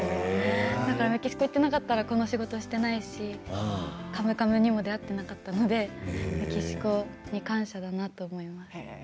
メキシコに行ってなかったらこの仕事をしていないし「カムカム」にも出会っていなかったのでメキシコにも感謝だなと思います。